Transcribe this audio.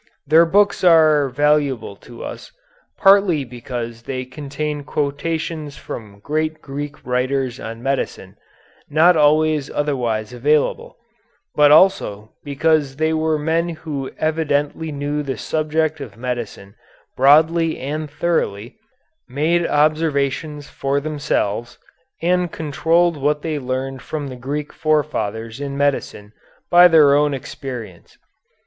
Their books are valuable to us, partly because they contain quotations from great Greek writers on medicine, not always otherwise available, but also because they were men who evidently knew the subject of medicine broadly and thoroughly, made observations for themselves, and controlled what they learned from the Greek forefathers in medicine by their own experience.